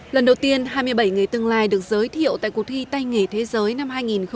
lần đầu tiên hai mươi bảy người tương lai được giới thiệu tại cuộc thi tay nghề thế giới năm hai nghìn một mươi chín